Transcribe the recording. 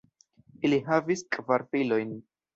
Ili havis kvar filojn.